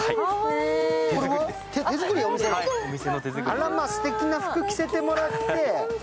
あらま、すてきな服着せてもらって。